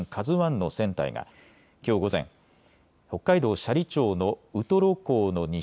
ＫＡＺＵＩの船体がきょう午前、北海道斜里町のウトロ港の西